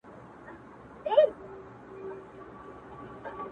o خدايه نری باران پرې وكړې ـ